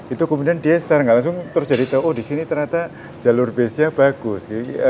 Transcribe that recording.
itu kemudian dia secara gak langsung terus jadi tahu oh di sini ternyata jalur base nya bagus